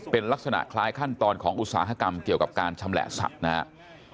เป็นลักษณะคล้ายขั้นตอนของอุตสาหกรรมเกี่ยวกับการชำแหละสัตว์นะครับ